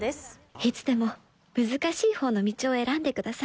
いつでも難しいほうの道を選んでください。